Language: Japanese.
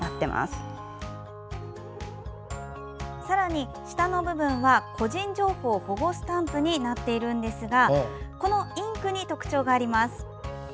さらに、下の部分は個人情報保護スタンプになっているんですがこのインクに特徴があります。